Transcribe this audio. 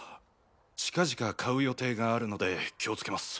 近々買う予定があるので気をつけます。